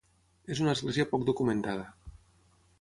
És una església poc documentada.